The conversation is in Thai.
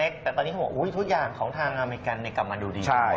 แต่ตอนนี้ทุกอย่างของทางอเมริกันกลับมาดูดีทั้งหมด